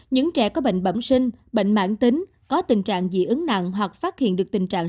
những trẻ có bệnh bẩm sinh bệnh mạng tính có tình trạng dị ứng nặng hoặc phát hiện được tình trạng